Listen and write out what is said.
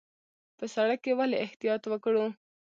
په سړک کې ولې احتیاط وکړو؟